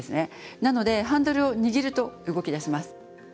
なのでハンドルを握ると動きだします。